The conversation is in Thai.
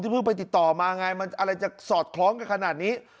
เพิ่งไปติดต่อมาไงมันอะไรจะสอดคล้องกันขนาดนี้